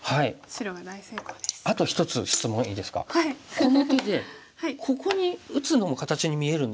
この手でここに打つのも形に見えるんですが。